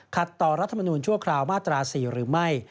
ขัดต่อรัฐมนูลชั่วคราวมาตรา๔หรือไม่